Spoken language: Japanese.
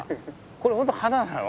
これ本当花なの？